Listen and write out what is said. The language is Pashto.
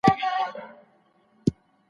ځان درملنه خطرناکه کیدای شي.